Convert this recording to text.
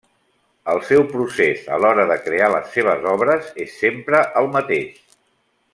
El seu procés a l'hora de crear les seves obres, és sempre el mateix.